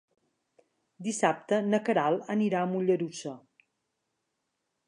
Dissabte na Queralt anirà a Mollerussa.